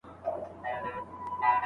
ایا دا ونې به سږ کال ښه حاصل ورکړي؟